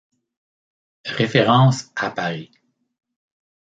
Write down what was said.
Références à Paris.